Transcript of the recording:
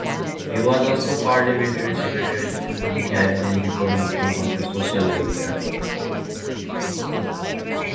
He was also Parliamentary Secretary to the Cabinet before moving onto Social Welfare.